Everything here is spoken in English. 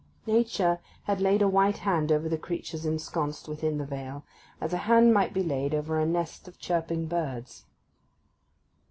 Nature had laid a white hand over the creatures ensconced within the vale, as a hand might be laid over a nest of chirping birds.